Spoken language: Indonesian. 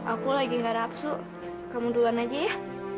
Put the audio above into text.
aku lagi gak rapsu kamu duluan aja ya